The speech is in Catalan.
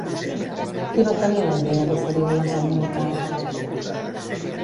Qui va tenir la idea d'oferir-les al Minotaure?